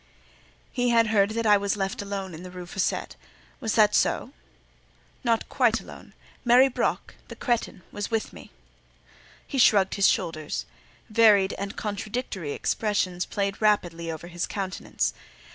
"He had heard that I was left alone in the Rue Fossette; was that so?" "Not quite alone: Marie Broc" (the crétin) "was with me." He shrugged his shoulders; varied and contradictory expressions played rapidly over his countenance.